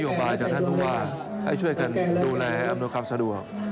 พบนโยบายจากท่านภูมิว่าให้ช่วยกันดูแลอำนวงคับสะดวก